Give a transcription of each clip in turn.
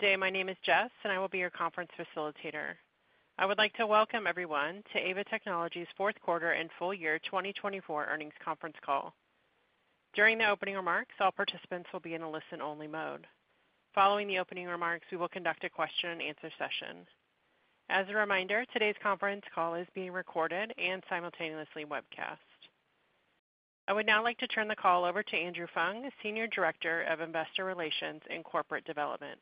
Good day. My name is Jess, and I will be your conference facilitator. I would like to welcome everyone to Aeva Technologies' fourth quarter and full year 2024 earnings conference call. During the opening remarks, all participants will be in a listen-only mode. Following the opening remarks, we will conduct a question-and-answer session. As a reminder, today's conference call is being recorded and simultaneously webcast. I would now like to turn the call over to Andrew Fung, Senior Director of Investor Relations and Corporate Development.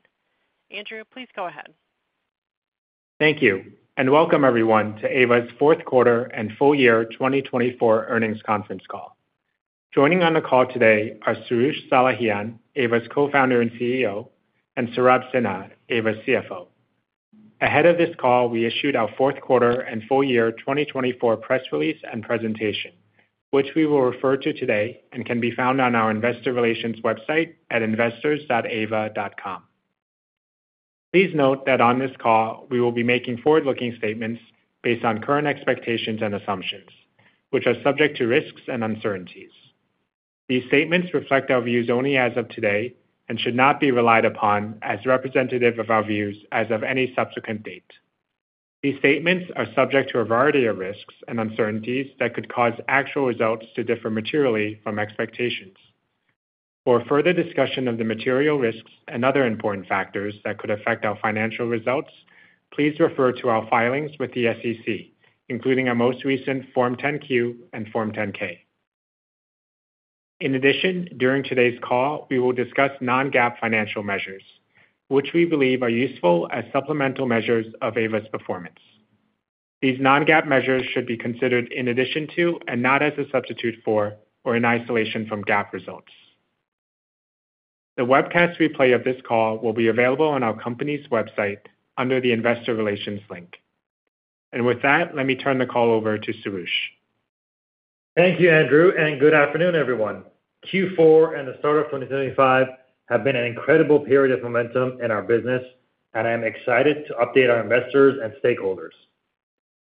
Andrew, please go ahead. Thank you, and welcome everyone to Aeva's fourth quarter and full year 2024 earnings conference call. Joining on the call today are Soroush Salehian, Aeva's Co-founder and CEO, and Saurabh Sinha, Aeva's CFO. Ahead of this call, we issued our fourth quarter and full year 2024 press release and presentation, which we will refer to today and can be found on our investor relations website at investors.aeva.com. Please note that on this call, we will be making forward-looking statements based on current expectations and assumptions, which are subject to risks and uncertainties. These statements reflect our views only as of today and should not be relied upon as representative of our views as of any subsequent date. These statements are subject to a variety of risks and uncertainties that could cause actual results to differ materially from expectations. For further discussion of the material risks and other important factors that could affect our financial results, please refer to our filings with the SEC, including our most recent Form 10-Q and Form 10-K. In addition, during today's call, we will discuss non-GAAP financial measures, which we believe are useful as supplemental measures of Aeva's performance. These non-GAAP measures should be considered in addition to and not as a substitute for or in isolation from GAAP results. The webcast replay of this call will be available on our company's website under the investor relations link. With that, let me turn the call over to Soroush. Thank you, Andrew, and good afternoon, everyone. Q4 and the start of 2025 have been an incredible period of momentum in our business, and I am excited to update our investors and stakeholders.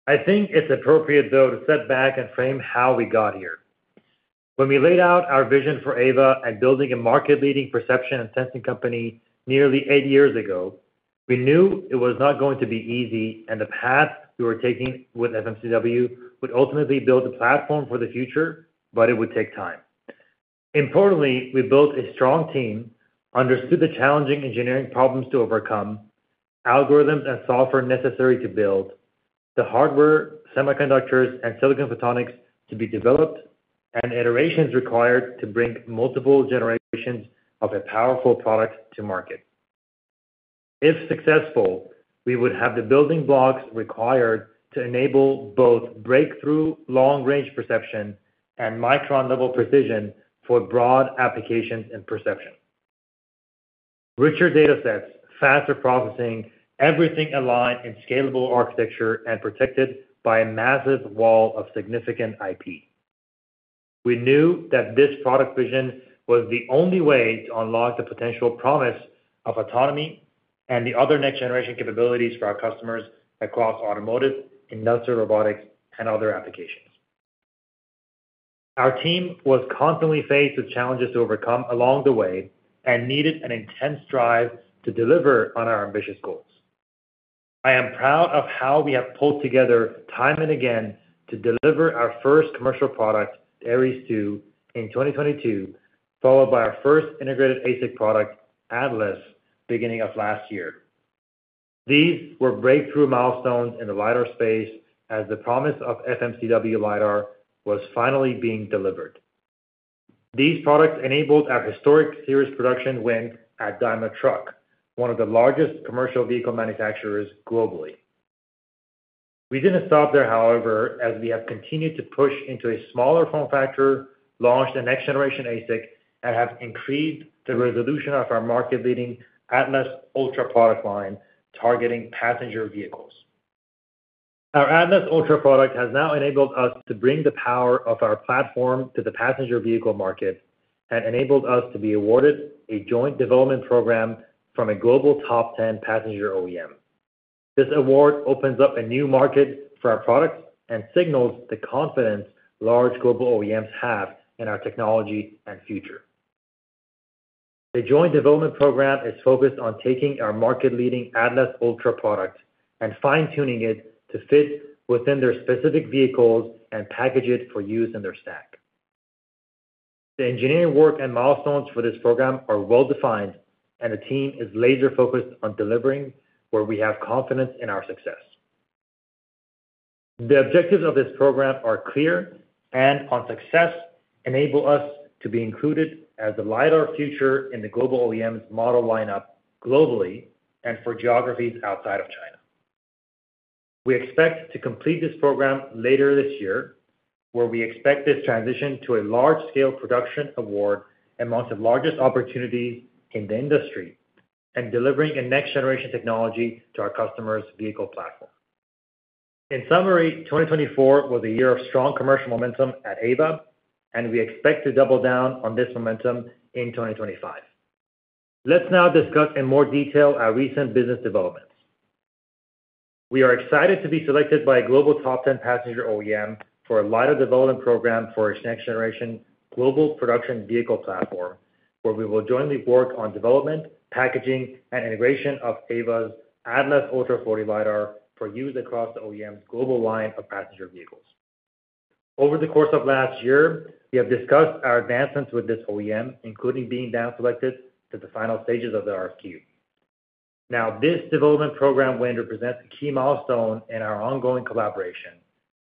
I think it's appropriate, though, to step back and frame how we got here. When we laid out our vision for Aeva and building a market-leading perception and sensing company nearly eight years ago, we knew it was not going to be easy, and the path we were taking with FMCW would ultimately build a platform for the future, but it would take time. Importantly, we built a strong team, understood the challenging engineering problems to overcome, algorithms and software necessary to build, the hardware, semiconductors, and silicon photonics to be developed, and iterations required to bring multiple generations of a powerful product to market. If successful, we would have the building blocks required to enable both breakthrough long-range perception and micron-level precision for broad applications and perception. Richer data sets, faster processing, everything aligned in scalable architecture and protected by a massive wall of significant IP. We knew that this product vision was the only way to unlock the potential promise of autonomy and the other next-generation capabilities for our customers across automotive, industrial robotics, and other applications. Our team was constantly faced with challenges to overcome along the way and needed an intense drive to deliver on our ambitious goals. I am proud of how we have pulled together time and again to deliver our first commercial product, Aeries II, in 2022, followed by our first integrated ASIC product, Atlas, beginning of last year. These were breakthrough milestones in the LiDAR space as the promise of FMCW LiDAR was finally being delivered. These products enabled our historic series production win at Daimler Truck, one of the largest commercial vehicle manufacturers globally. We did not stop there, however, as we have continued to push into a smaller form factor, launched a next-generation ASIC, and have increased the resolution of our market-leading Atlas Ultra product line targeting passenger vehicles. Our Atlas Ultra product has now enabled us to bring the power of our platform to the passenger vehicle market and enabled us to be awarded a joint development program from a global top 10 passenger OEM. This award opens up a new market for our products and signals the confidence large global OEMs have in our technology and future. The joint development program is focused on taking our market-leading Atlas Ultra product and fine-tuning it to fit within their specific vehicles and package it for use in their stack. The engineering work and milestones for this program are well-defined, and the team is laser-focused on delivering where we have confidence in our success. The objectives of this program are clear and, on success, enable us to be included as the LiDAR future in the global OEM's model lineup globally and for geographies outside of China. We expect to complete this program later this year, where we expect this transition to a large-scale production award amongst the largest opportunities in the industry and delivering a next-generation technology to our customers' vehicle platform. In summary, 2024 was a year of strong commercial momentum at Aeva, and we expect to double down on this momentum in 2025. Let's now discuss in more detail our recent business developments. We are excited to be selected by a global top 10 passenger OEM for a LiDAR development program for its next-generation global production vehicle platform, where we will jointly work on development, packaging, and integration of Aeva's Atlas Ultra 4D LiDAR for use across the OEM's global line of passenger vehicles. Over the course of last year, we have discussed our advancements with this OEM, including being now selected to the final stages of the RFQ. Now, this development program win represents a key milestone in our ongoing collaboration,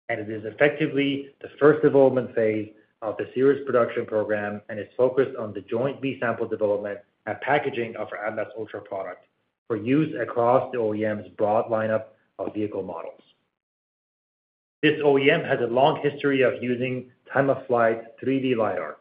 and it is effectively the first development phase of the series production program and is focused on the joint B-sample development and packaging of our Atlas Ultra product for use across the OEM's broad lineup of vehicle models. This OEM has a long history of using time-of-flight 3D LiDAR.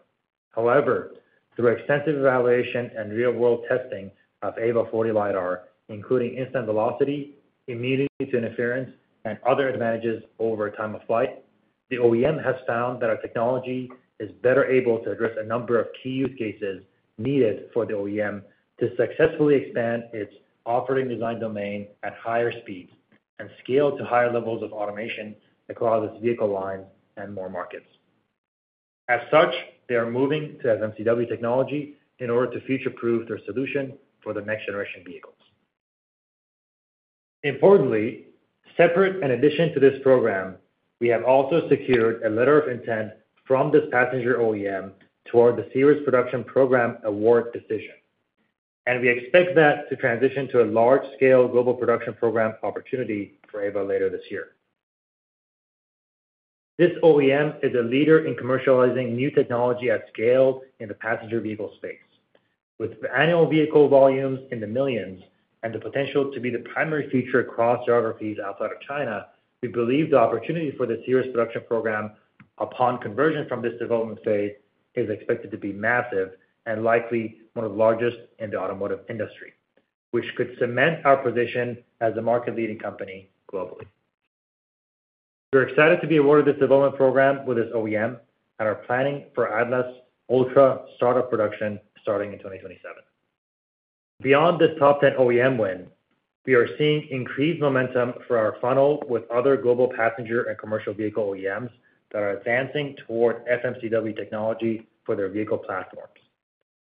However, through extensive evaluation and real-world testing of Aeva 4D LiDAR, including instant velocity, immediate interference, and other advantages over time-of-flight, the OEM has found that our technology is better able to address a number of key use cases needed for the OEM to successfully expand its operating design domain at higher speeds and scale to higher levels of automation across its vehicle lines and more markets. As such, they are moving to FMCW technology in order to future-proof their solution for the next-generation vehicles. Importantly, separate and in addition to this program, we have also secured a letter of intent from this passenger OEM toward the series production program award decision, and we expect that to transition to a large-scale global production program opportunity for Aeva later this year. This OEM is a leader in commercializing new technology at scale in the passenger vehicle space. With annual vehicle volumes in the millions and the potential to be the primary feature across geographies outside of China, we believe the opportunity for the series production program upon conversion from this development phase is expected to be massive and likely one of the largest in the automotive industry, which could cement our position as a market-leading company globally. We're excited to be awarded this development program with this OEM and are planning for Atlas Ultra startup production starting in 2027. Beyond this top 10 OEM win, we are seeing increased momentum for our funnel with other global passenger and commercial vehicle OEMs that are advancing toward FMCW technology for their vehicle platforms.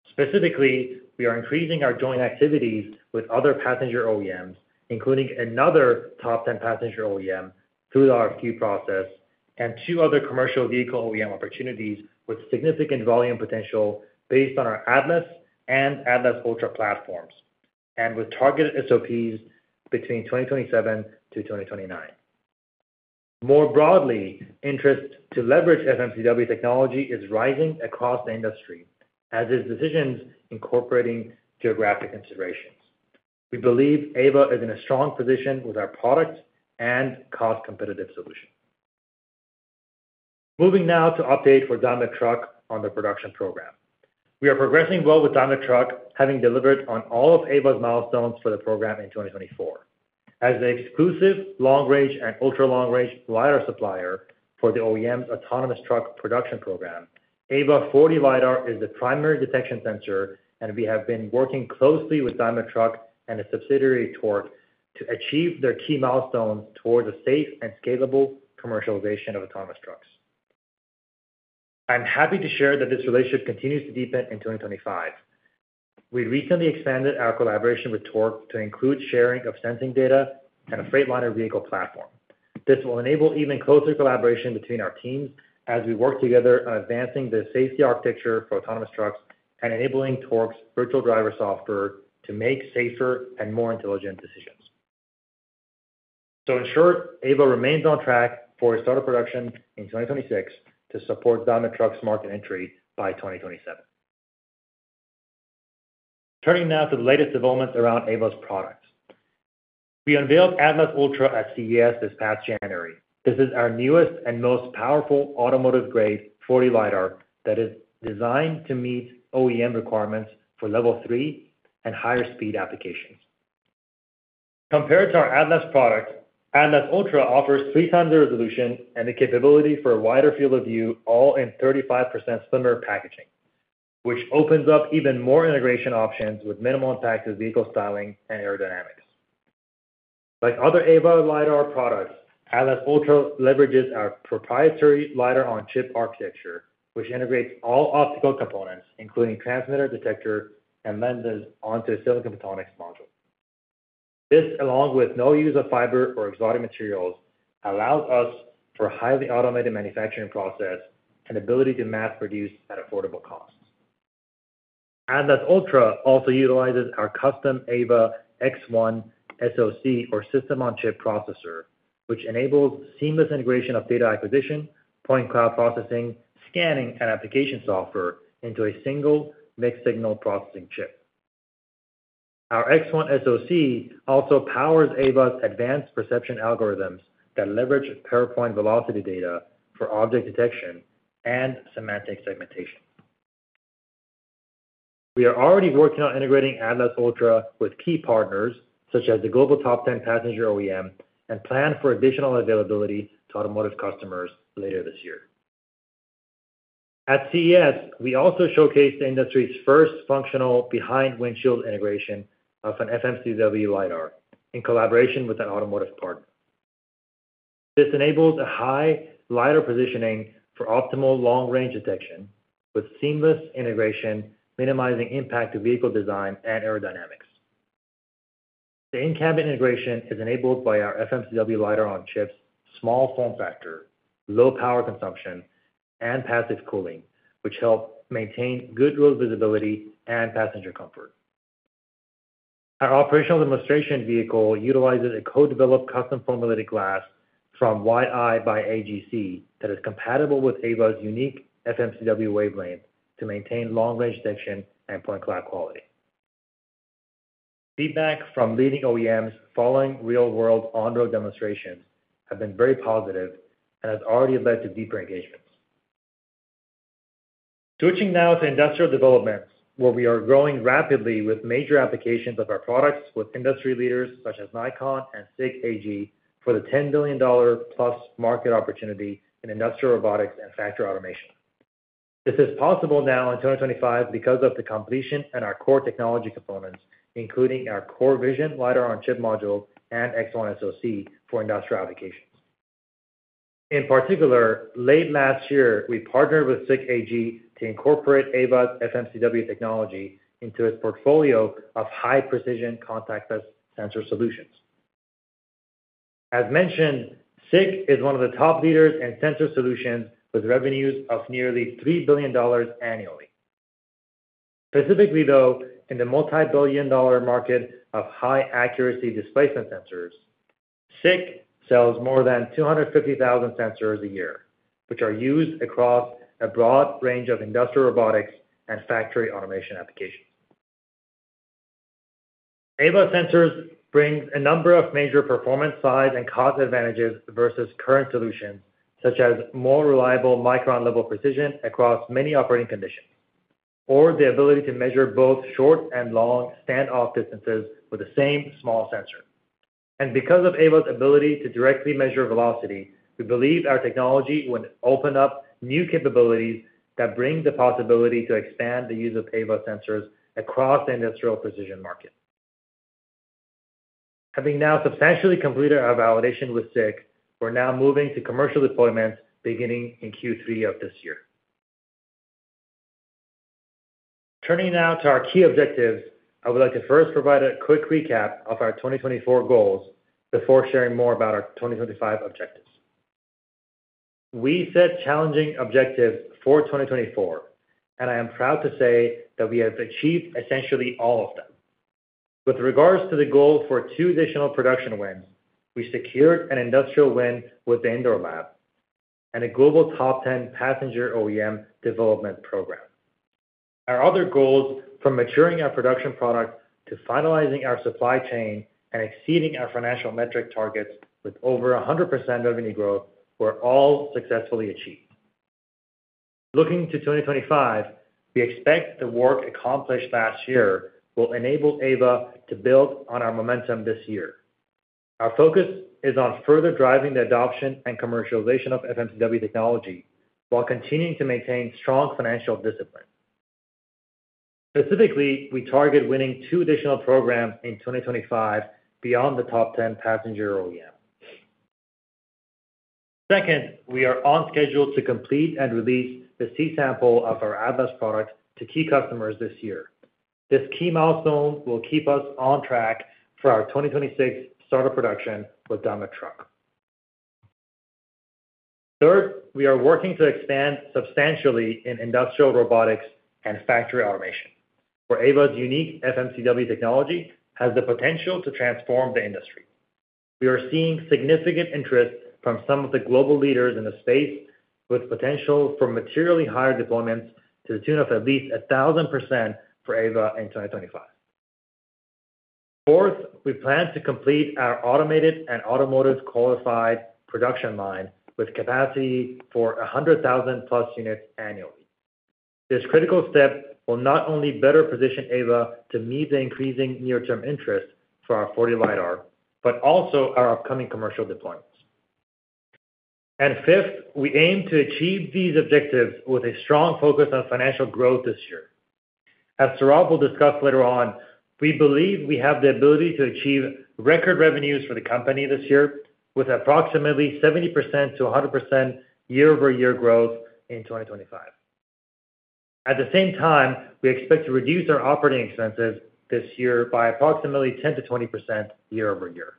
Specifically, we are increasing our joint activities with other passenger OEMs, including another top 10 passenger OEM through the RFQ process, and two other commercial vehicle OEM opportunities with significant volume potential based on our Atlas and Atlas Ultra platforms, and with targeted SOPs between 2027 and 2029. More broadly, interest to leverage FMCW technology is rising across the industry as is decisions incorporating geographic considerations. We believe Aeva is in a strong position with our product and cost-competitive solution. Moving now to update for Daimler Truck on the production program. We are progressing well with Daimler Truck having delivered on all of Aeva's milestones for the program in 2024. As an exclusive long-range and ultra-long-range LiDAR supplier for the OEM's autonomous truck production program, Aeva 4D LiDAR is the primary detection sensor, and we have been working closely with Daimler Truck and a subsidiary, Torc, to achieve their key milestones towards a safe and scalable commercialization of autonomous trucks. I'm happy to share that this relationship continues to deepen in 2025. We recently expanded our collaboration with Torc to include sharing of sensing data and a Freightliner vehicle platform. This will enable even closer collaboration between our teams as we work together on advancing the safety architecture for autonomous trucks and enabling Torc's Virtual Driver software to make safer and more intelligent decisions. In short, Aeva remains on track for its start of production in 2026 to support Daimler Truck's market entry by 2027. Turning now to the latest developments around Aeva's products. We unveiled Atlas Ultra at CES this past January. This is our newest and most powerful automotive-grade 4D LiDAR that is designed to meet OEM requirements for Level 3 and higher-speed applications. Compared to our Atlas product, Atlas Ultra offers three times the resolution and the capability for a wider field of view, all in 35% slimmer packaging, which opens up even more integration options with minimal impact to vehicle styling and aerodynamics. Like other Aeva LiDAR products, Atlas Ultra leverages our proprietary LiDAR-on-Chip architecture, which integrates all optical components, including transmitter, detector, and lenses, onto a silicon photonics module. This, along with no use of fiber or exotic materials, allows us for a highly automated manufacturing process and ability to mass-produce at affordable costs. Atlas Ultra also utilizes our custom Aeva X1 SoC or system-on-chip processor, which enables seamless integration of data acquisition, point cloud processing, scanning, and application software into a single mixed-signal processing chip. Our X1 SoC also powers Aeva's advanced perception algorithms that leverage per-point velocity data for object detection and semantic segmentation. We are already working on integrating Atlas Ultra with key partners such as the global top 10 passenger OEM and plan for additional availability to automotive customers later this year. At CES, we also showcased the industry's first functional behind-windshield integration of an FMCW LiDAR in collaboration with an automotive partner. This enables a high LiDAR positioning for optimal long-range detection with seamless integration, minimizing impact to vehicle design and aerodynamics. The in-cabin integration is enabled by our FMCW LiDAR-on-Chip's small form factor, low power consumption, and passive cooling, which help maintain good road visibility and passenger comfort. Our operational demonstration vehicle utilizes a co-developed custom formulated glass from Wideye by AGC that is compatible with Aeva's unique FMCW wavelength to maintain long-range detection and point cloud quality. Feedback from leading OEMs following real-world on-road demonstrations has been very positive and has already led to deeper engagements. Switching now to industrial developments, where we are growing rapidly with major applications of our products with industry leaders such as Nikon and SICK AG for the $10 billion+ market opportunity in industrial robotics and factory automation. This is possible now in 2025 because of the completion and our core technology components, including our CoreVision LiDAR-on-Chip module and X1 SoC for industrial applications. In particular, late last year, we partnered with SICK AG to incorporate Aeva's FMCW technology into its portfolio of high-precision contactless sensor solutions. As mentioned, SICK AG is one of the top leaders in sensor solutions with revenues of nearly $3 billion annually. Specifically, though, in the multi-billion-dollar market of high-accuracy displacement sensors, SICK AG sells more than 250,000 sensors a year, which are used across a broad range of industrial robotics and factory automation applications. Aeva sensors bring a number of major performance, size, and cost advantages versus current solutions, such as more reliable micron-level precision across many operating conditions or the ability to measure both short and long standoff distances with the same small sensor. Because of Aeva's ability to directly measure velocity, we believe our technology will open up new capabilities that bring the possibility to expand the use of Aeva sensors across the industrial precision market. Having now substantially completed our validation with SICK AG, we're now moving to commercial deployments beginning in Q3 of this year. Turning now to our key objectives, I would like to first provide a quick recap of our 2024 goals before sharing more about our 2025 objectives. We set challenging objectives for 2024, and I am proud to say that we have achieved essentially all of them. With regards to the goal for two additional production wins, we secured an industrial win with Indoor Lab and a global top 10 passenger OEM development program. Our other goals from maturing our production product to finalizing our supply chain and exceeding our financial metric targets with over 100% revenue growth were all successfully achieved. Looking to 2025, we expect the work accomplished last year will enable Aeva to build on our momentum this year. Our focus is on further driving the adoption and commercialization of FMCW technology while continuing to maintain strong financial discipline. Specifically, we target winning two additional programs in 2025 beyond the top 10 passenger OEM. Second, we are on schedule to complete and release the C-sample of our Atlas product to key customers this year. This key milestone will keep us on track for our 2026 start of production with Daimler Truck. Third, we are working to expand substantially in industrial robotics and factory automation, where Aeva's unique FMCW technology has the potential to transform the industry. We are seeing significant interest from some of the global leaders in the space with potential for materially higher deployments to the tune of at least 1,000% for Aeva in 2025. Fourth, we plan to complete our automated and automotive qualified production line with capacity for 100,000+ units annually. This critical step will not only better position Aeva to meet the increasing near-term interest for our 4D LiDAR, but also our upcoming commercial deployments. Fifth, we aim to achieve these objectives with a strong focus on financial growth this year. As Saurabh will discuss later on, we believe we have the ability to achieve record revenues for the company this year with approximately 70%-100% year-over-year growth in 2025. At the same time, we expect to reduce our operating expenses this year by approximately 10%-20% year-over-year.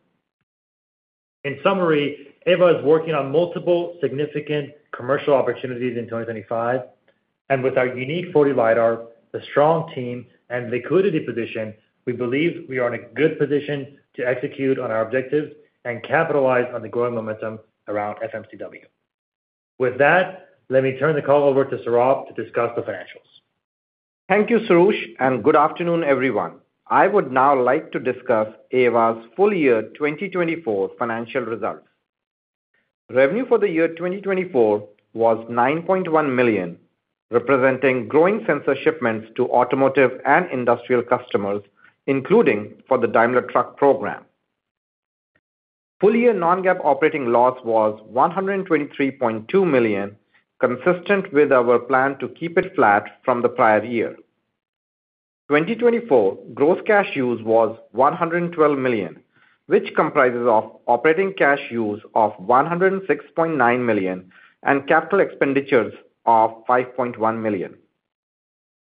In summary, Aeva is working on multiple significant commercial opportunities in 2025, and with our unique 4D LiDAR, the strong team, and liquidity position, we believe we are in a good position to execute on our objectives and capitalize on the growing momentum around FMCW. With that, let me turn the call over to Saurabh to discuss the financials. Thank you, Soroush, and good afternoon, everyone. I would now like to discuss Aeva's full year 2024 financial results. Revenue for the year 2024 was $9.1 million, representing growing sensor shipments to automotive and industrial customers, including for the Daimler Truck program. Full year non-GAAP operating loss was $123.2 million, consistent with our plan to keep it flat from the prior year. 2024 gross cash use was $112 million, which comprises operating cash use of $106.9 million and capital expenditures of $5.1 million.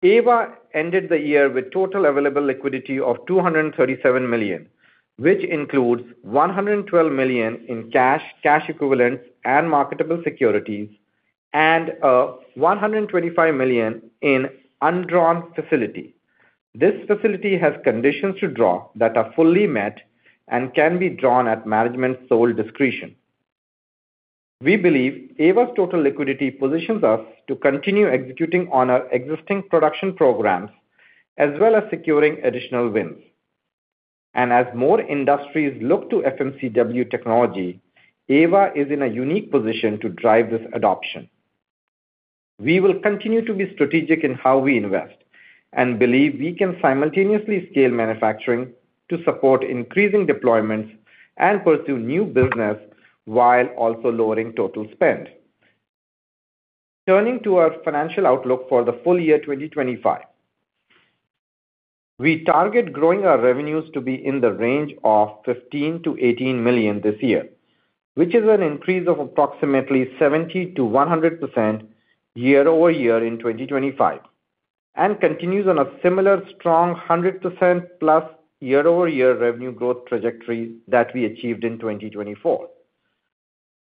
Aeva ended the year with total available liquidity of $237 million, which includes $112 million in cash, cash equivalents, and marketable securities, and $125 million in undrawn facility. This facility has conditions to draw that are fully met and can be drawn at management's sole discretion. We believe Aeva's total liquidity positions us to continue executing on our existing production programs as well as securing additional wins. As more industries look to FMCW technology, Aeva is in a unique position to drive this adoption. We will continue to be strategic in how we invest and believe we can simultaneously scale manufacturing to support increasing deployments and pursue new business while also lowering total spend. Turning to our financial outlook for the full year 2025, we target growing our revenues to be in the range of $15 million-$18 million this year, which is an increase of approximately 70%-100% year-over-year in 2025 and continues on a similar strong 100%+ year-over-year revenue growth trajectory that we achieved in 2024.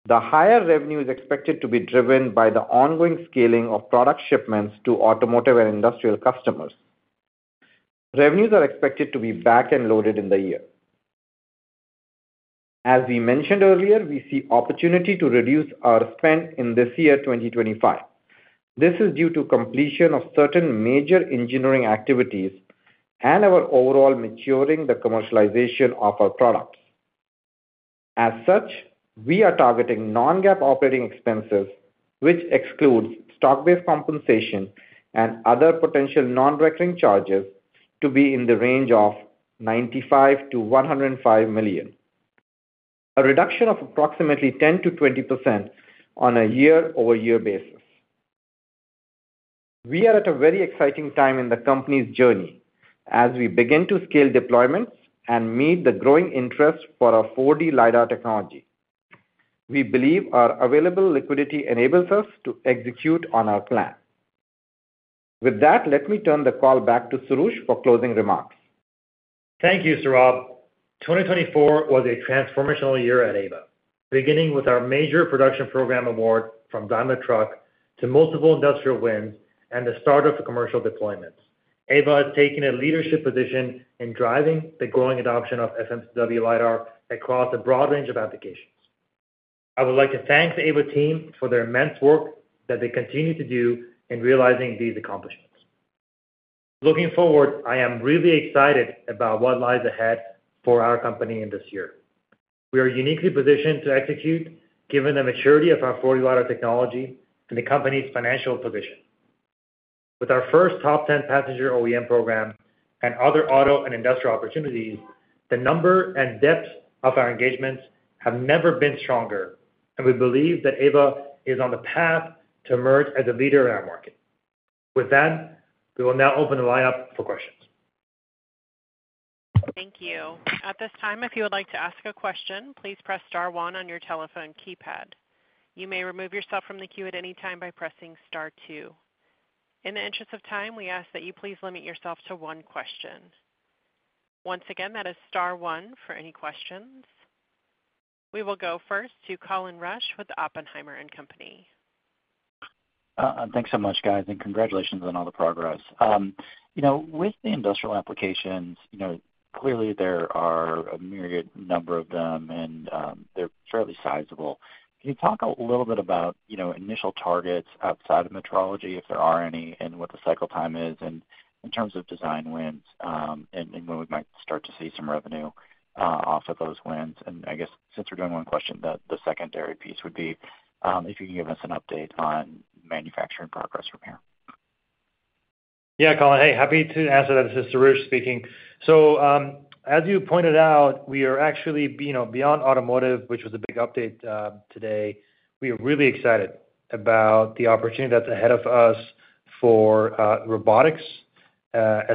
The higher revenue is expected to be driven by the ongoing scaling of product shipments to automotive and industrial customers. Revenues are expected to be back-end loaded in the year. As we mentioned earlier, we see opportunity to reduce our spend in this year 2025. This is due to completion of certain major engineering activities and our overall maturing the commercialization of our products. As such, we are targeting non-GAAP operating expenses, which excludes stock-based compensation and other potential non-recurring charges, to be in the range of $95 million-$105 million, a reduction of approximately 10%-20% on a year-over-year basis. We are at a very exciting time in the company's journey as we begin to scale deployments and meet the growing interest for our 4D LiDAR technology. We believe our available liquidity enables us to execute on our plan. With that, let me turn the call back to Soroush for closing remarks. Thank you, Saurabh. 2024 was a transformational year at Aeva, beginning with our major production program award from Daimler Truck to multiple industrial wins and the start of the commercial deployments. Aeva has taken a leadership position in driving the growing adoption of FMCW LiDAR across a broad range of applications. I would like to thank the Aeva team for their immense work that they continue to do in realizing these accomplishments. Looking forward, I am really excited about what lies ahead for our company in this year. We are uniquely positioned to execute, given the maturity of our 4D LiDAR technology and the company's financial position. With our first top 10 passenger OEM program and other auto and industrial opportunities, the number and depth of our engagements have never been stronger, and we believe that Aeva is on the path to emerge as a leader in our market. With that, we will now open the lineup for questions. Thank you. At this time, if you would like to ask a question, please press Star 1 on your telephone keypad. You may remove yourself from the queue at any time by pressing Star 2. In the interest of time, we ask that you please limit yourself to one question. Once again, that is Star 1 for any questions. We will go first to Colin Rusch with Oppenheimer & Company. Thanks so much, guys, and congratulations on all the progress. With the industrial applications, clearly there are a myriad number of them, and they're fairly sizable. Can you talk a little bit about initial targets outside of metrology, if there are any, and what the cycle time is in terms of design wins and when we might start to see some revenue off of those wins? I guess since we're doing one question, the secondary piece would be if you can give us an update on manufacturing progress from here. Yeah, Colin, hey, happy to answer that. This is Soroush speaking. As you pointed out, we are actually beyond automotive, which was a big update today. We are really excited about the opportunity that's ahead of us for robotics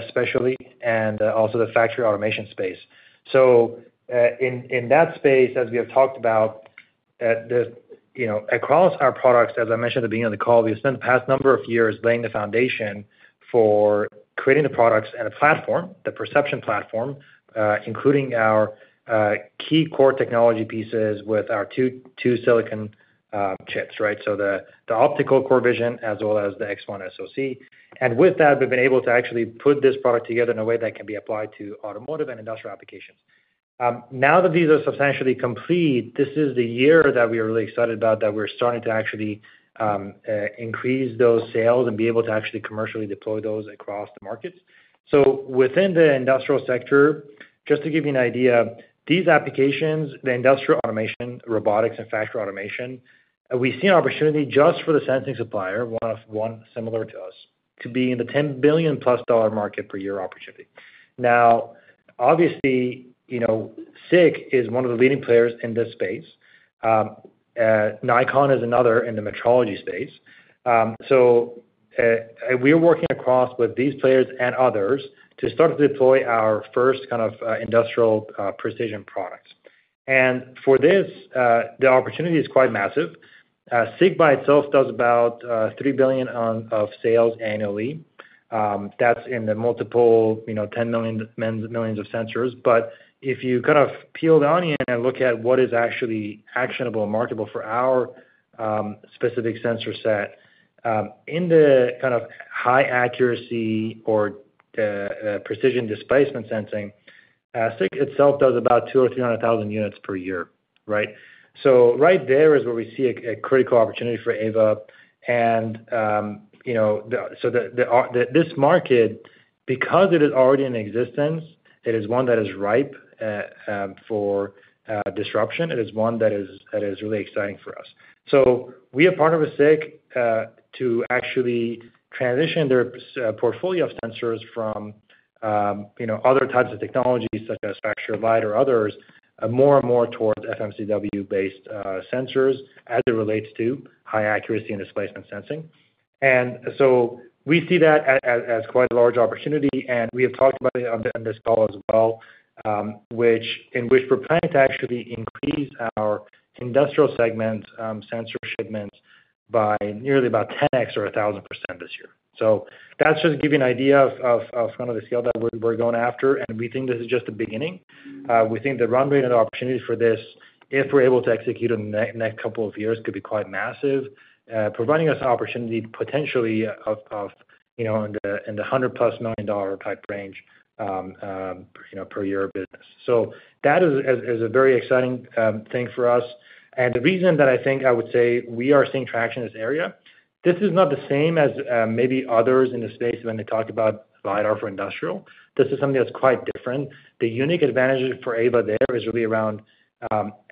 especially and also the factory automation space. In that space, as we have talked about, across our products, as I mentioned at the beginning of the call, we have spent the past number of years laying the foundation for creating the products and a platform, the perception platform, including our key core technology pieces with our two silicon chips, right? The optical core vision as well as the X1 SoC. With that, we've been able to actually put this product together in a way that can be applied to automotive and industrial applications. Now that these are substantially complete, this is the year that we are really excited about, that we're starting to actually increase those sales and be able to actually commercially deploy those across the markets. Within the industrial sector, just to give you an idea, these applications, the industrial automation, robotics, and factory automation, we see an opportunity just for the sensing supplier, one similar to us, to be in the $10 billion+ market per year opportunity. Obviously, SICK is one of the leading players in this space. Nikon is another in the metrology space. We are working across with these players and others to start to deploy our first kind of industrial precision products. For this, the opportunity is quite massive. SICK by itself does about $3 billion of sales annually. That is in the multiple 10 million millions of sensors. If you kind of peel the onion and look at what is actually actionable and marketable for our specific sensor set in the kind of high accuracy or precision displacement sensing, SICK itself does about 200,000 or 300,000 units per year, right? Right there is where we see a critical opportunity for Aeva. This market, because it is already in existence, is one that is ripe for disruption. It is one that is really exciting for us. We are part of SICK to actually transition their portfolio of sensors from other types of technologies such as factory light or others more and more towards FMCW-based sensors as it relates to high accuracy and displacement sensing. We see that as quite a large opportunity. We have talked about it on this call as well, in which we're planning to actually increase our industrial segment sensor shipments by nearly about 10X or 1,000% this year. That is just to give you an idea of kind of the scale that we're going after. We think this is just the beginning. We think the run rate and opportunity for this, if we're able to execute in the next couple of years, could be quite massive, providing us an opportunity potentially in the $100 million+ type range per year of business. That is a very exciting thing for us. The reason that I think I would say we are seeing traction in this area, this is not the same as maybe others in the space when they talk about LiDAR for industrial. This is something that's quite different. The unique advantage for Aeva there is really around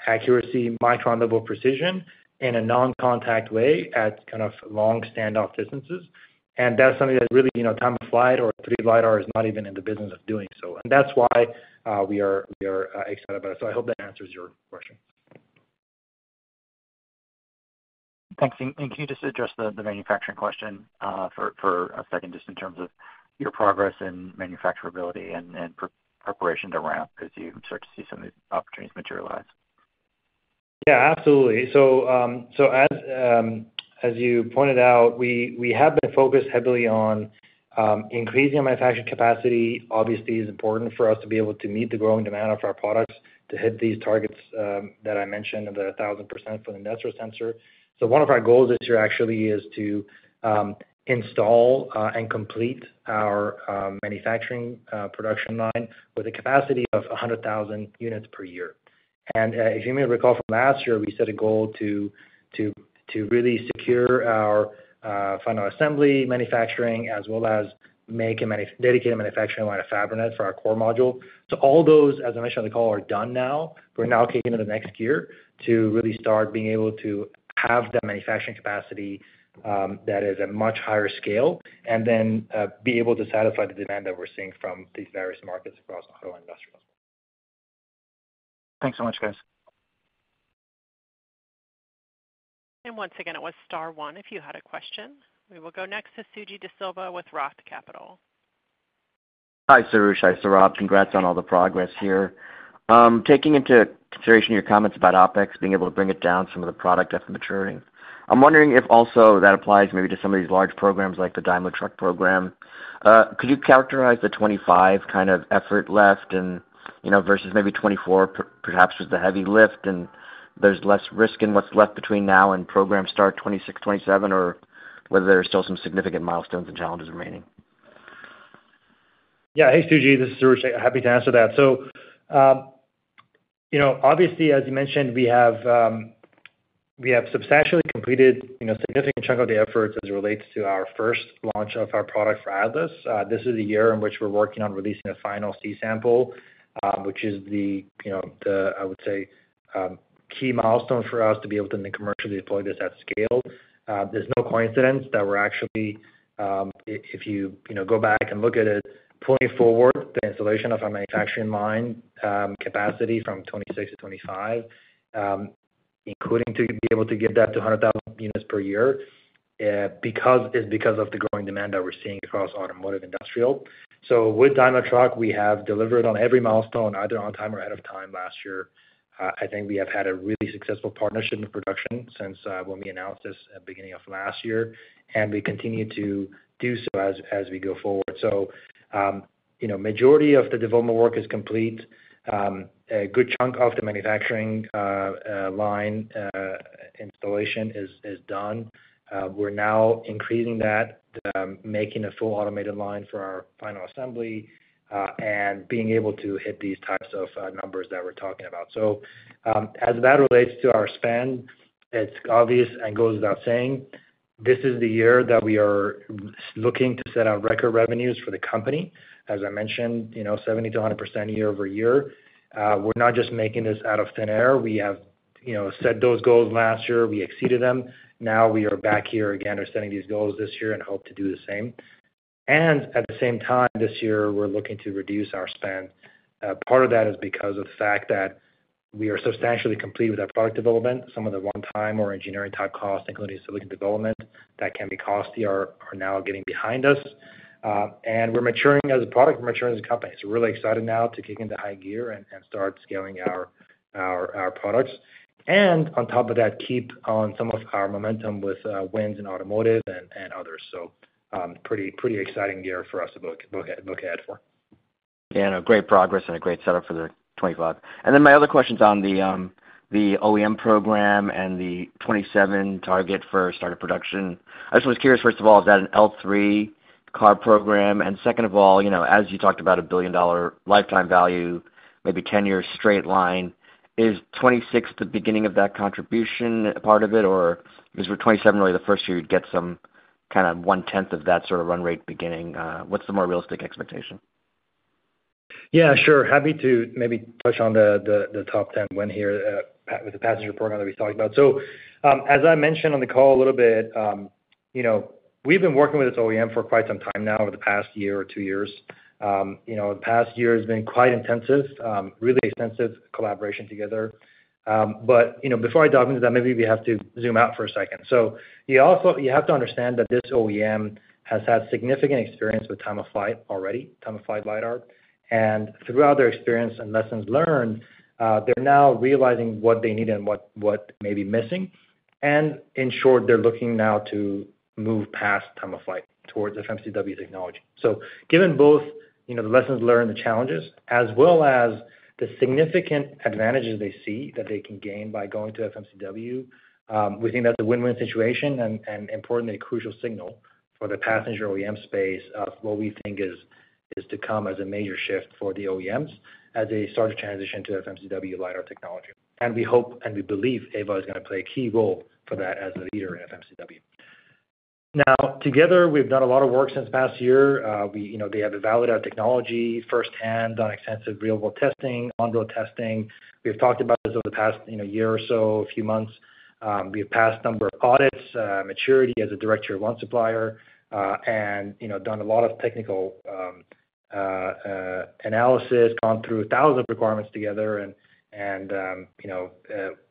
accuracy, micron-level precision in a non-contact way at kind of long standoff distances. That is something that really time-of-flight or 3D LiDAR is not even in the business of doing. That is why we are excited about it. I hope that answers your question. Thanks. Can you just address the manufacturing question for a second just in terms of your progress in manufacturability and preparation to ramp as you start to see some of these opportunities materialize? Yeah, absolutely. As you pointed out, we have been focused heavily on increasing our manufacturing capacity. Obviously, it is important for us to be able to meet the growing demand of our products to hit these targets that I mentioned of the 1,000% for the industrial sensor. One of our goals this year actually is to install and complete our manufacturing production line with a capacity of 100,000 units per year. If you may recall from last year, we set a goal to really secure our final assembly manufacturing as well as make a dedicated manufacturing line at Fabrinet for our core module. All those, as I mentioned on the call, are done now. We are now kicking into the next year to really start being able to have that manufacturing capacity that is at much higher scale and then be able to satisfy the demand that we are seeing from these various markets across auto and industrial. Thanks so much, guys. Once again, it was Star 1 if you had a question. We will go next to Suji Desilva with Roth Capital. Hi, Soroush. Hi, Saurabh. Congrats on all the progress here. Taking into consideration your comments about OpEx, being able to bring it down, some of the product after maturing. I'm wondering if also that applies maybe to some of these large programs like the Daimler Truck program. Could you characterize the 2025 kind of effort left versus maybe 2024 perhaps with the heavy lift and there's less risk in what's left between now and program start 2026, 2027, or whether there are still some significant milestones and challenges remaining? Yeah. Hey, Suji. This is Soroush. Happy to answer that. Obviously, as you mentioned, we have substantially completed a significant chunk of the efforts as it relates to our first launch of our product for Atlas. This is the year in which we're working on releasing a final seed sample, which is the, I would say, key milestone for us to be able to then commercially deploy this at scale. There's no coincidence that we're actually, if you go back and look at it, pulling forward the installation of our manufacturing line capacity from 2026 to 2025, including to be able to get that to 100,000 units per year is because of the growing demand that we're seeing across automotive industrial. With Daimler Truck, we have delivered on every milestone, either on time or ahead of time last year. I think we have had a really successful partnership in production since when we announced this at the beginning of last year, and we continue to do so as we go forward. The majority of the development work is complete. A good chunk of the manufacturing line installation is done. We're now increasing that, making a full automated line for our final assembly and being able to hit these types of numbers that we're talking about. As that relates to our spend, it's obvious and goes without saying. This is the year that we are looking to set our record revenues for the company. As I mentioned, 70%-100% year-over-year. We're not just making this out of thin air. We have set those goals last year. We exceeded them. Now we are back here again or setting these goals this year and hope to do the same. At the same time, this year, we're looking to reduce our spend. Part of that is because of the fact that we are substantially complete with our product development. Some of the one-time or engineering-type costs, including silicon development, that can be costly, are now getting behind us. We're maturing as a product. We're maturing as a company. Really excited now to kick into high gear and start scaling our products. On top of that, keep on some of our momentum with wins in automotive and others. Pretty exciting year for us to look ahead for. Yeah, and a great progress and a great setup for 2025. My other question is on the OEM program and the 2027 target for start of production. I just was curious, first of all, is that an L3 car program? Second of all, as you talked about a billion-dollar lifetime value, maybe 10 years straight line, is 2026 the beginning of that contribution part of it, or is 2027 really the first year you'd get some kind of one-tenth of that sort of run rate beginning? What's the more realistic expectation? Yeah, sure. Happy to maybe touch on the top 10 win here with the passenger program that we talked about. As I mentioned on the call a little bit, we've been working with this OEM for quite some time now, over the past year or two years. The past year has been quite intensive, really extensive collaboration together. Before I dive into that, maybe we have to zoom out for a second. You have to understand that this OEM has had significant experience with time-of-flight already, time-of-flight LiDAR. Throughout their experience and lessons learned, they're now realizing what they need and what may be missing. In short, they're looking now to move past time-of-flight towards FMCW technology. Given both the lessons learned, the challenges, as well as the significant advantages they see that they can gain by going to FMCW, we think that's a win-win situation and, importantly, a crucial signal for the passenger OEM space of what we think is to come as a major shift for the OEMs as they start to transition to FMCW LiDAR technology. We hope and we believe Aeva is going to play a key role for that as a leader in FMCW. Now, together, we've done a lot of work since last year. They have evaluated our technology firsthand, done extensive real-world testing, on-road testing. We have talked about this over the past year or so, a few months. We have passed a number of audits, maturity as a Direct Tier 1 supplier, and done a lot of technical analysis, gone through thousands of requirements together, and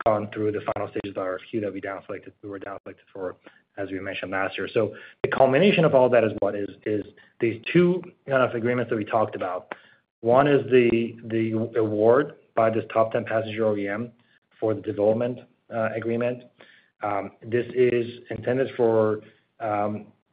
gone through the final stages of our FMCW that we were down selected for, as we mentioned last year. The culmination of all that is what? Is these two kind of agreements that we talked about. One is the award by this top 10 passenger OEM for the development agreement. This is intended for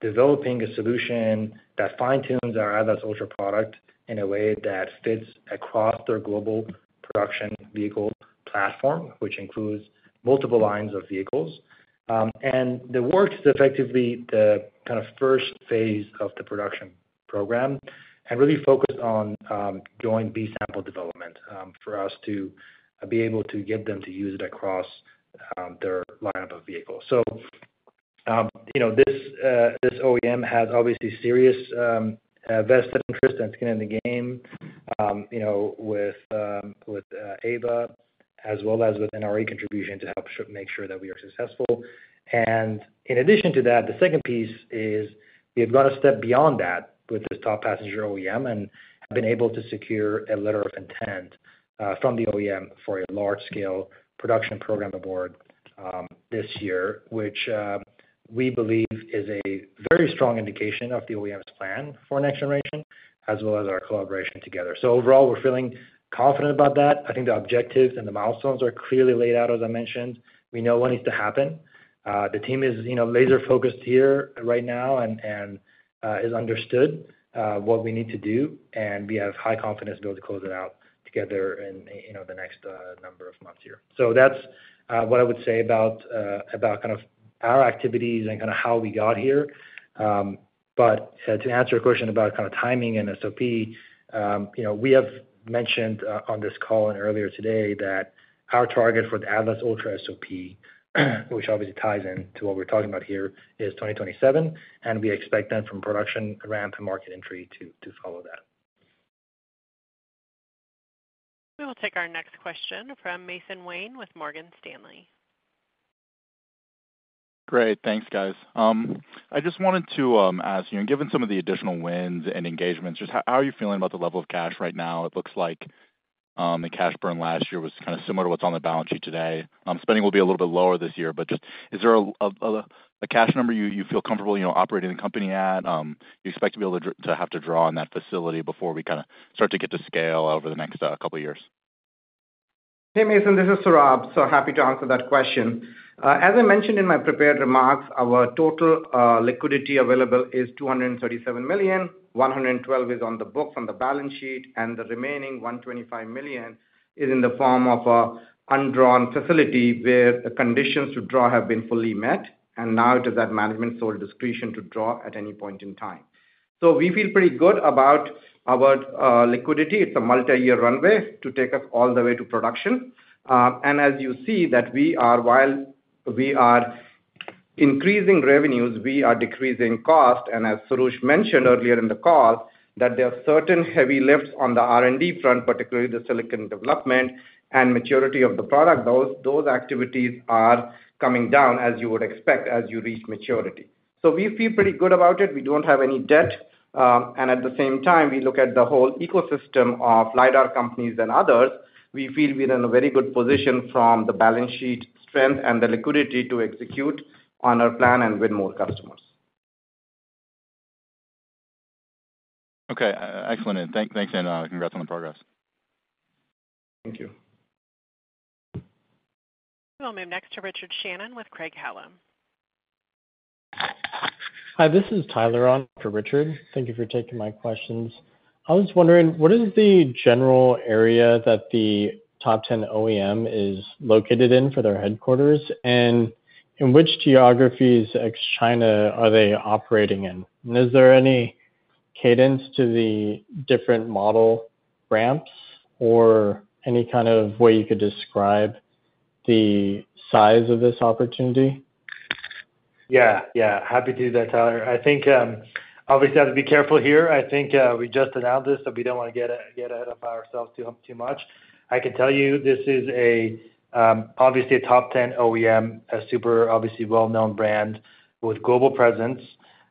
developing a solution that fine-tunes our Atlas Ultra product in a way that fits across their global production vehicle platform, which includes multiple lines of vehicles. The work is effectively the kind of first phase of the production program and really focused on joint B sample development for us to be able to get them to use it across their lineup of vehicles. This OEM has obviously serious vested interest and skin in the game with Aeva, as well as with NRE contribution to help make sure that we are successful. In addition to that, the second piece is we have gone a step beyond that with this top passenger OEM and have been able to secure a letter of intent from the OEM for a large-scale production program award this year, which we believe is a very strong indication of the OEM's plan for next generation, as well as our collaboration together. Overall, we're feeling confident about that. I think the objectives and the milestones are clearly laid out, as I mentioned. We know what needs to happen. The team is laser-focused here right now and is understood what we need to do. We have high confidence to be able to close it out together in the next number of months here. That is what I would say about kind of our activities and kind of how we got here. To answer your question about kind of timing and SOP, we have mentioned on this call and earlier today that our target for the Atlas Ultra SOP, which obviously ties into what we are talking about here, is 2027. We expect then from production ramp and market entry to follow that. We will take our next question from Mason Wayne with Morgan Stanley. Great. Thanks, guys. I just wanted to ask, given some of the additional wins and engagements, just how are you feeling about the level of cash right now? It looks like the cash burn last year was kind of similar to what is on the balance sheet today. Spending will be a little bit lower this year, but just is there a cash number you feel comfortable operating the company at? You expect to be able to have to draw on that facility before we kind of start to get to scale over the next couple of years? Hey, Mason. This is Saurabh. Happy to answer that question. As I mentioned in my prepared remarks, our total liquidity available is $237 million. $112 million is on the books on the balance sheet, and the remaining $125 million is in the form of an undrawn facility where the conditions to draw have been fully met. It is at management's sole discretion to draw at any point in time. We feel pretty good about our liquidity. It's a multi-year runway to take us all the way to production. As you see that, while we are increasing revenues, we are decreasing cost. As Soroush mentioned earlier in the call, there are certain heavy lifts on the R&D front, particularly the silicon development and maturity of the product. Those activities are coming down, as you would expect, as you reach maturity. We feel pretty good about it. We do not have any debt. At the same time, we look at the whole ecosystem of LiDAR companies and others. We feel we are in a very good position from the balance sheet strength and the liquidity to execute on our plan and win more customers. Okay. Excellent. Thanks, and congrats on the progress. Thank you. We will move next to Richard Shannon with Craig-Hallum. Hi, this is Tyler on for Richard. Thank you for taking my questions. I was wondering, what is the general area that the top 10 OEM is located in for their headquarters, and in which geographies ex-China are they operating in? Is there any cadence to the different model ramps or any kind of way you could describe the size of this opportunity? Yeah. Yeah. Happy to do that, Tyler. I think, obviously, I have to be careful here. I think we just announced this, so we do not want to get ahead of ourselves too much. I can tell you this is obviously a top 10 OEM, a super, obviously, well-known brand with global presence.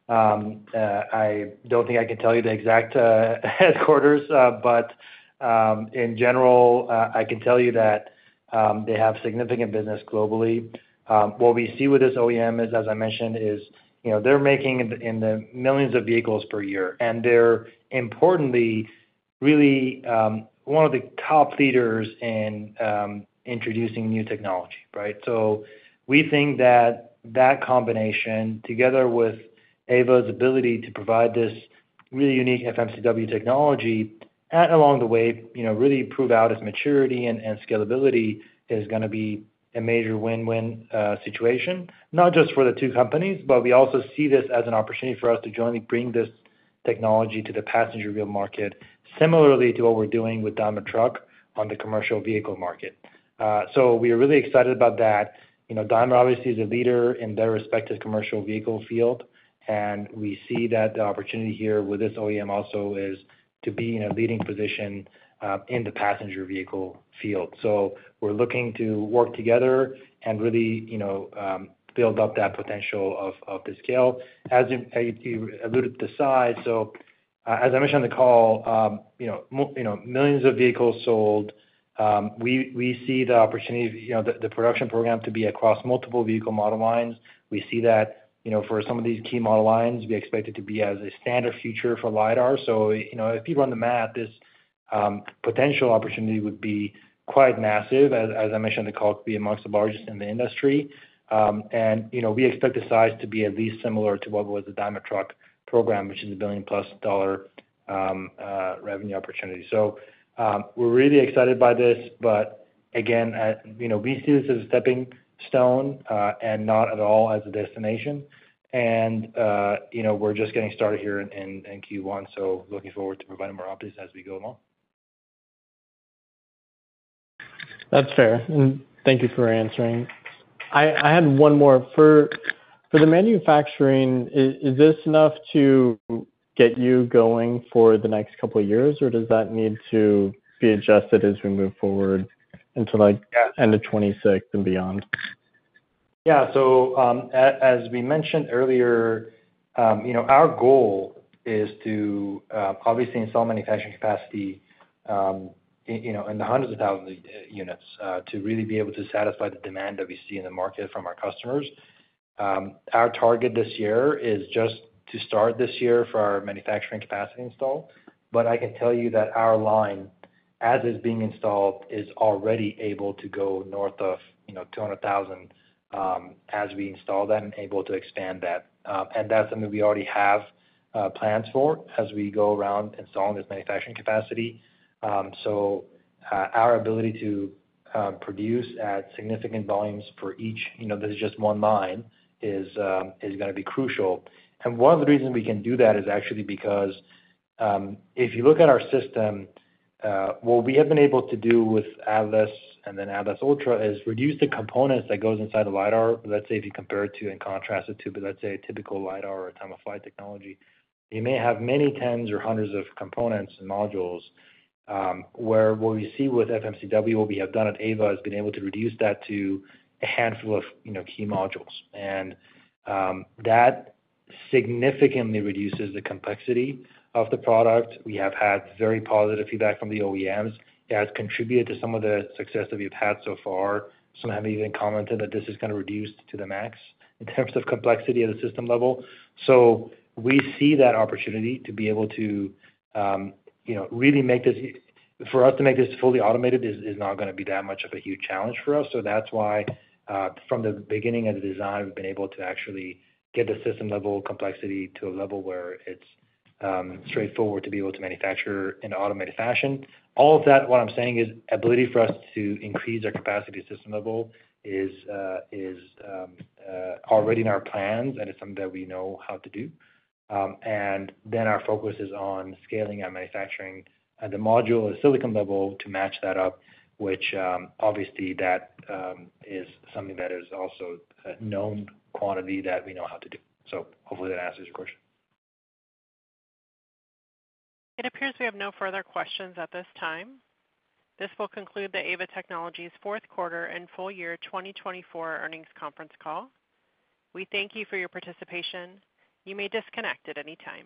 I do not think I can tell you the exact headquarters, but in general, I can tell you that they have significant business globally. What we see with this OEM is, as I mentioned, they're making in the millions of vehicles per year, and they're importantly, really one of the top leaders in introducing new technology, right? We think that that combination, together with Aeva's ability to provide this really unique FMCW technology and along the way, really prove out its maturity and scalability, is going to be a major win-win situation, not just for the two companies, but we also see this as an opportunity for us to jointly bring this technology to the passenger real market, similarly to what we're doing with Daimler Truck on the commercial vehicle market. We are really excited about that. Daimler, obviously, is a leader in their respective commercial vehicle field, and we see that the opportunity here with this OEM also is to be in a leading position in the passenger vehicle field. We are looking to work together and really build up that potential of the scale. As you alluded to the side, as I mentioned on the call, millions of vehicles sold. We see the opportunity, the production program, to be across multiple vehicle model lines. We see that for some of these key model lines, we expect it to be as a standard feature for LiDAR. If you run the math, this potential opportunity would be quite massive. As I mentioned on the call, it could be amongst the largest in the industry. We expect the size to be at least similar to what was the Daimler Truck program, which is a billion-plus dollar revenue opportunity. We are really excited by this, but again, we see this as a stepping stone and not at all as a destination. We're just getting started here in Q1, so looking forward to providing more updates as we go along. That's fair. Thank you for answering. I had one more. For the manufacturing, is this enough to get you going for the next couple of years, or does that need to be adjusted as we move forward into end of 2026 and beyond? Yeah. As we mentioned earlier, our goal is to obviously install manufacturing capacity in the hundreds of thousands of units to really be able to satisfy the demand that we see in the market from our customers. Our target this year is just to start this year for our manufacturing capacity install. I can tell you that our line, as it's being installed, is already able to go north of 200,000 as we install them and able to expand that. That is something we already have plans for as we go around installing this manufacturing capacity. Our ability to produce at significant volumes for each, this is just one line, is going to be crucial. One of the reasons we can do that is actually because if you look at our system, what we have been able to do with Atlas and then Atlas Ultra is reduce the components that go inside the LiDAR. Let's say if you compare it to and contrast it to, let's say, a typical LiDAR or a time-of-flight technology, you may have many tens or hundreds of components and modules, where what we see with FMCW, what we have done at Aeva, has been able to reduce that to a handful of key modules. That significantly reduces the complexity of the product. We have had very positive feedback from the OEMs. It has contributed to some of the success that we've had so far. Some have even commented that this is kind of reduced to the max in terms of complexity at a system level. We see that opportunity to be able to really make this for us to make this fully automated is not going to be that much of a huge challenge for us. That is why, from the beginning of the design, we've been able to actually get the system-level complexity to a level where it's straightforward to be able to manufacture in an automated fashion. All of that, what I'm saying, is ability for us to increase our capacity at system level is already in our plans, and it's something that we know how to do. Our focus is on scaling our manufacturing at the module and silicon level to match that up, which obviously is something that is also a known quantity that we know how to do. Hopefully that answers your question. It appears we have no further questions at this time. This will conclude the Aeva Technologies fourth quarter and full year 2024 earnings conference call. We thank you for your participation. You may disconnect at any time.